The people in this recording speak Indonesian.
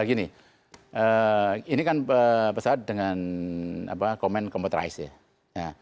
gini ini kan pesawat dengan komen komputeris ya